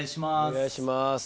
お願いします。